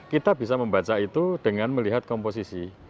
kita bisa membaca itu dengan melihat komposisi